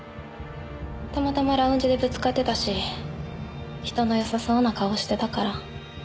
たまたまラウンジでぶつかってたし人のよさそうな顔してたから。